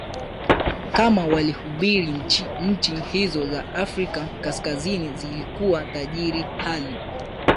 kama walihubiri Nchi hizo za Afrika Kaskazini zilikuwa tajiri Hali